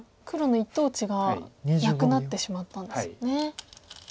黒の一等地がなくなってしまったんですよね。